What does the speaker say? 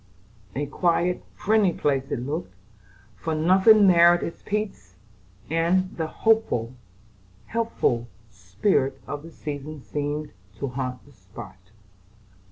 A quiet, friendly place it looked; for nothing marred its peace, and the hopeful, healthful spirit of the season seemed to haunt the spot.